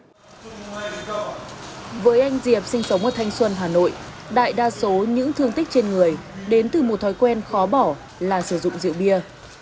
với anh diệp sinh sống ở thanh xuân hà nội đại đa số những thương tích trên người đến từ một thói quen khó bỏ là sử dụng rượu bia